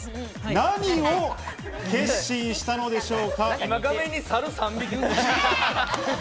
何を決心したのでしょう？